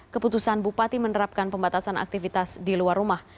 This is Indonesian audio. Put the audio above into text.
keputusan bupati menerapkan pembatasan aktivitas di luar rumah